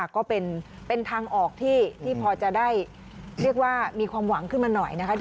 ก็เป็นทางออกที่พอจะได้เรียกว่ามีความหวังขึ้นมาหน่อยนะคะ